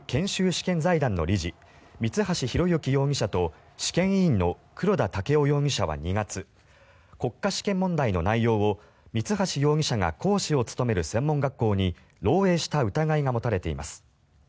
試験財団の理事三橋裕之容疑者と試験委員の黒田剛生容疑者は２月国家試験問題の内容を三橋容疑者が講師を務める専門学校に漏えいした疑いが持たれています。